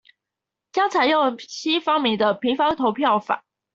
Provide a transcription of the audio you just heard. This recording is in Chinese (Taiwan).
將採用新發明的「平方投票法」